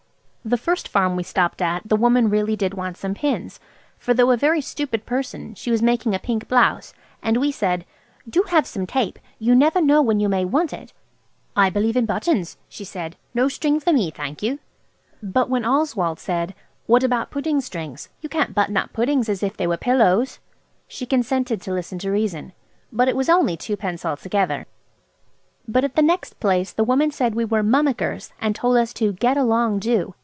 The first farm we stopped at the woman really did want some pins, for though a very stupid person, she was making a pink blouse, and we said– "Do have some tape! You never know when you may want it." "I believe in buttons," she said. "No strings for me, thank you." But when Oswald said, "What about pudding strings? You can't button up puddings as if they were pillows!" she consented to listen to reason. But it was only twopence altogether. But at the next place the woman said we were "mummickers," and told us to "get along, do."